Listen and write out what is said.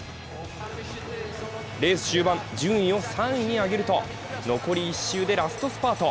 レース終盤、順位を３位に上げると、残り１周りでラストスパート。